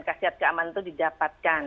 kesehatan keamanan itu didapatkan